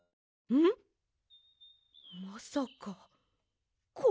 まさかこれは！？